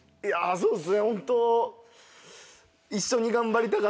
そうっすね。